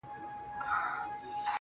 موږه يې ښه وايو پر موږه خو ډير گران دی .